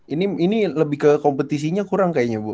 ini ini lebih ke kompetisinya kurang kayaknya